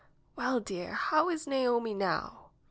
^^ell, dear, how is Naomi now